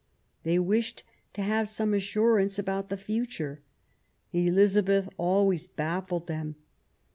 They wished to have some assurance about the future. Elizabeth always baffled them.